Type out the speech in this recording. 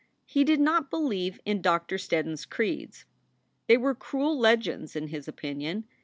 He did not believe in Doctor Sted don s creeds. They were cruel legends, in his opinion.